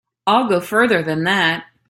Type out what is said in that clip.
I'll go further than that.